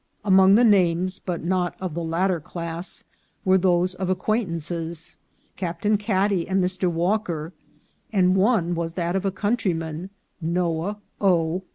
Among the names, but not of the latter class, were those of acquaintances : Captain Cad dy and Mr. Walker ; and one was that of a countryman, Noah O.